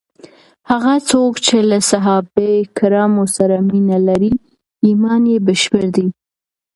هغه څوک چې له صحابه کرامو سره مینه لري، ایمان یې بشپړ دی.